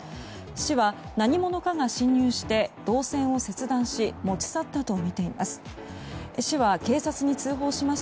市は、何者かが侵入して銅線を切断し持ち去ったとみています。